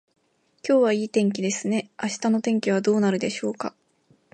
今日はいい天気ですね。明日の天気はどうなるでしょうか。